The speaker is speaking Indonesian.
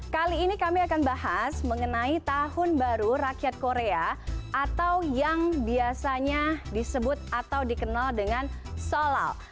kali ini kami akan bahas mengenai tahun baru rakyat korea atau yang biasanya disebut atau dikenal dengan solal